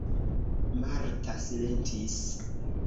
Marta silentis.